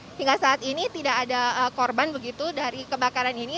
sehingga saat ini tidak ada korban begitu dari kebakaran ini